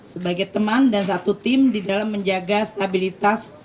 sebagai teman dan satu tim di dalam menjaga stabilitas